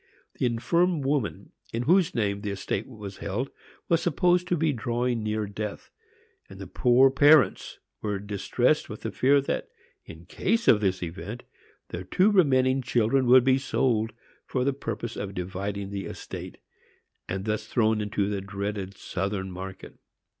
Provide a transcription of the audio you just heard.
The infirm woman in whose name the estate was held was supposed to be drawing near to death, and the poor parents were distressed with the fear that, in case of this event, their two remaining children would be sold for the purpose of dividing the estate, and thus thrown into the dreaded southern market.